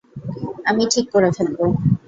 আমি ঠিক করে ফেলব।